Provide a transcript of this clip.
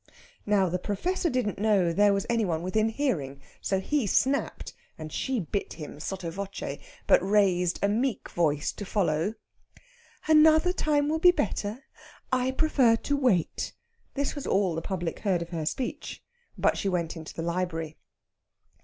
Now, the Professor didn't know there was any one within hearing; so he snapped, and she bit him sotto voce, but raised a meek voice to follow: "Another time will be better. I prefer to wait." This was all the public heard of her speech. But she went into the library.